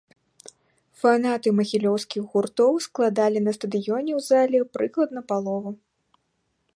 Фанаты магілёўскіх гуртоў складалі на стадыёне у зале прыкладна палову.